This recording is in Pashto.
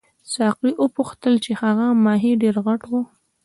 ساقي وپوښتل چې هغه ماهي ډېر غټ وو.